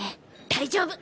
大丈夫！